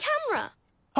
あ！